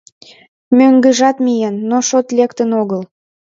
Мӧҥгыжат миен, но шот лектын огыл.